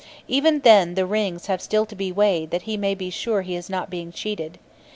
Even then the rings have still to be weighed that he may be sure he is not being cheated.